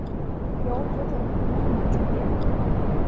由佐佐木英明主演。